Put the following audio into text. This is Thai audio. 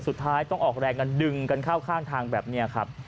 สุดท้ายต้องออกแรงกันดึงกันเข้าข้างทางแบบนี้ครับ